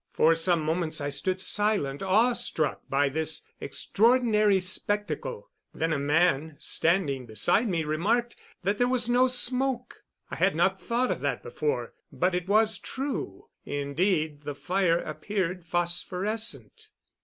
For some moments I stood silent, awestruck by this extraordinary spectacle. Then a man standing beside me remarked that there was no smoke. I had not thought of that before, but it was true indeed, the fire appeared phosphorescent.